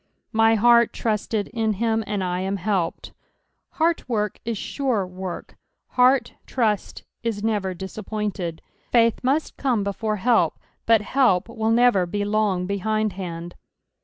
" My heart trutUd in him, and I am helped." Heart work is aurs work ; heart truiit 18 never disappointed. Faith must come before help, but help will never be lon^ behindhand.